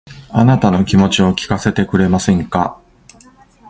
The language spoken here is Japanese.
あなたの気持ちを聞かせてくれませんか